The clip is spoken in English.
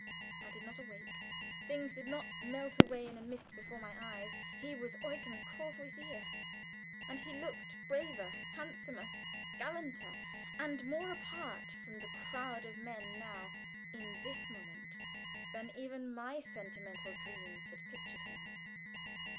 I did not awake; things did not melt away in a mist before my eyes. He was Eugen Courvoisier, and he looked braver, handsomer, gallanter, and more apart from the crowd of men now, in this moment, than even my sentimental dreams had pictured him.